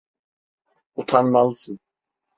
Utanmalısın!